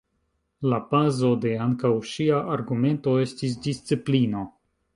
La bazo de ankaŭ ŝia argumento estis disciplino.